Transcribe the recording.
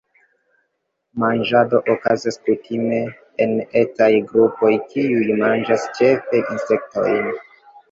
Manĝado okazas kutime en etaj grupoj kiuj manĝas ĉefe insektojn.